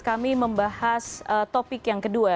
kami membahas topik yang kedua